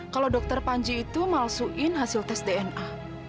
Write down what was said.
kalau dokter panji itu malsuin hasil tes dna